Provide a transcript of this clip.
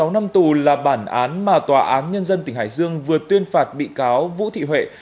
một mươi năm tù là bản án mà tòa án nhân dân tỉnh hải dương vừa tuyên phạt bị cáo vũ thị huệ